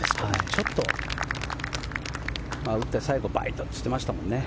ちょっと打って、最後バイトって言ってましたけどね。